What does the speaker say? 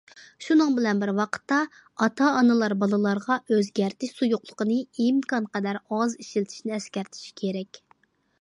شۇنىڭ بىلەن بىر ۋاقىتتا، ئاتا- ئانىلار بالىلارغا ئۆزگەرتىش سۇيۇقلۇقىنى ئىمكانقەدەر ئاز ئىشلىتىشنى ئەسكەرتىشى كېرەك.